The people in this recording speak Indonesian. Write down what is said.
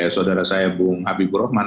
saudara saya bung habibur rahman